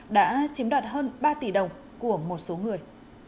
đã chiếm đoạt hơn ba tỷ đồng của một số người